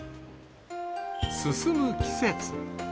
進む季節。